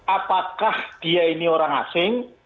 apakah dia ini orang asing